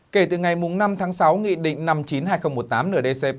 kể từ ngày năm tháng sáu nghị định năm chín hai nghìn một mươi tám nửa dcp